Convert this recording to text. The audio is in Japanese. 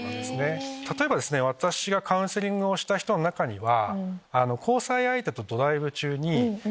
例えば私がカウンセリングをした人の中には。